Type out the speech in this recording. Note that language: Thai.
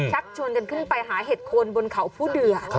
ชักชวนกันขึ้นไปหาเห็ดโคนบนเขาผู้เดือ